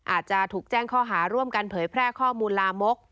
อาจจะถูกแจ้งข้อหาร่วมกันเผยแพร่ข้อมูลลามก